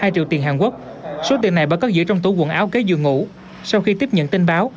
hai triệu tiền hàn quốc số tiền này bảo cất giữ trong tủ quần áo kế giường ngủ sau khi tiếp nhận tin báo